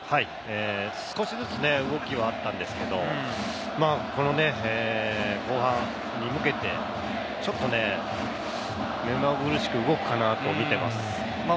少しずつ動きはあったんですけれど、後半に向けてちょっとね、めまぐるしく動くかなというふうに見ています。